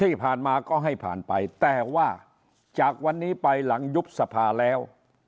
ที่ผ่านมาก็ให้ผ่านไปแต่ว่าจากวันนี้ไปหลังยุบสภาแล้ว